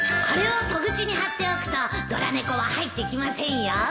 これを戸口に張っておくとドラ猫は入ってきませんよ